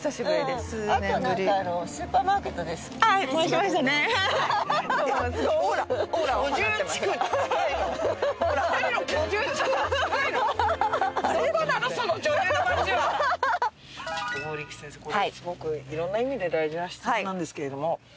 すごくいろんな意味で大事な質問なんですけれども。